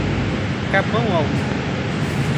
Capão Alto